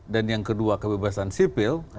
dan yang kedua kebebasan sipil